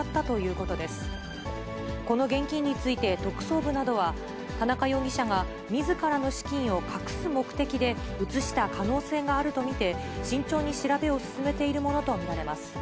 この現金について、特捜部などは、田中容疑者がみずからの資金を隠す目的で移した可能性があると見て、慎重に調べを進めているものと見られます。